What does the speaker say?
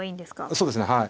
そうですねはい。